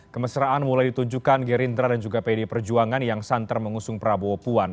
kemesraan mulai ditunjukkan gerindra dan juga pd perjuangan yang santer mengusung prabowo puan